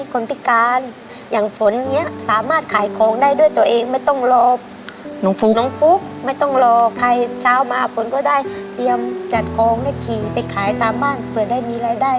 ขอให้ฝันของคุณเป็นจริงนะครับ